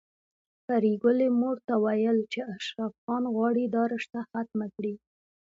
پري ګلې مور ته ويل چې اشرف خان غواړي دا رشته ختمه کړي